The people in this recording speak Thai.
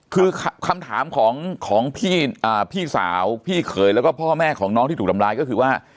คือคำถามของพี่สาวพี่เขยแล้วก็พ่อแม่ของน้องที่ถูกทำร้ายก็คือว่า